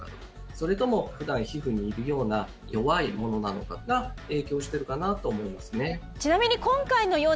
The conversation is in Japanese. それとも普段皮膚にいるような弱いものなのかが影響してるかなと思うんですね